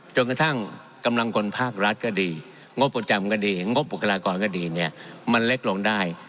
จนกระทั่งกำลังคนภาครัฐก็ดีงบประจำก็ดีงบบุคลากรก็ดีเนี่ยมันเล็กลงได้